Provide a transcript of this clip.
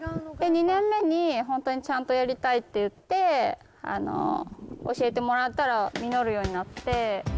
２年目に、本当にちゃんとやりたいって言って、教えてもらったら実るようになって。